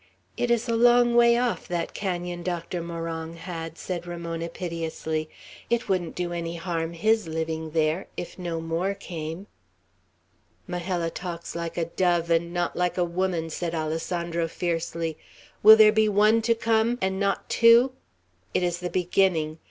"It is a long way off, that canon Doctor Morong had," said Ramona, piteously. "It wouldn't do any harm, his living there, if no more came." "Majella talks like a dove, and not like a woman," said Alessandro, fiercely. "Will there be one to come, and not two? It is the beginning.